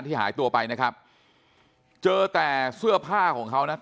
หายตัวไปนะครับเจอแต่เสื้อผ้าของเขานะ